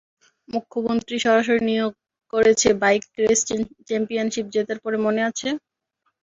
মুখ্যমন্ত্রী সরাসরি নিয়োগ করেছে, বাইক রেস চ্যাম্পিয়নশিপ জেতার পরে, মনে আছে?